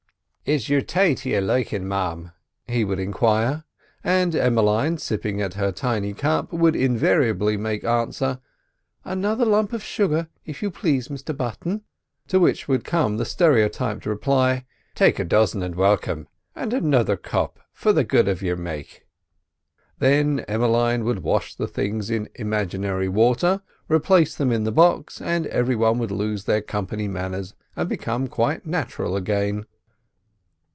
"Is your tay to your likin', ma'am?" he would enquire; and Emmeline, sipping at her tiny cup, would invariably make answer: "Another lump of sugar, if you please, Mr Button;" to which would come the stereotyped reply: "Take a dozen, and welcome; and another cup for the good of your make." Then Emmeline would wash the things in imaginary water, replace them in the box, and every one would lose their company manners and become quite natural again.